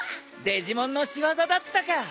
デジモンの仕業だったか。